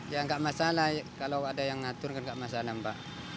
ya enggak masalah kalau ada yang ngatur kan enggak masalah pak